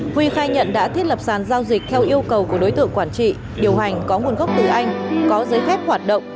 huy khai nhận đã thiết lập sản giao dịch theo yêu cầu của đối tượng quản trị điều hành có nguồn gốc từ anh có giấy phép hoạt động